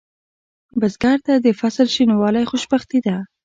بزګر ته د فصل شینوالی خوشبختي ده